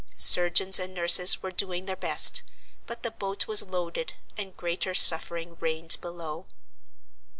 Surgeons and nurses were doing their best; but the boat was loaded, and greater suffering reigned below.